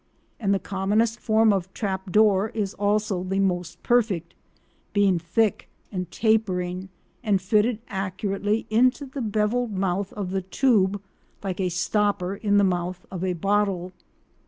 And the commonest form of trap door is also the most perfect, being thick and tapering, and fitting accurately into the bevelled mouth of the tube like a stopper in the mouth of a bottle.